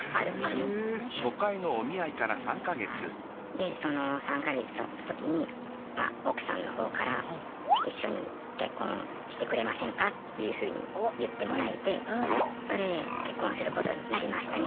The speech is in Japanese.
でその３か月たった時にま奥さんの方からっていうふうに言ってもらえてそれで結婚することになりましたね。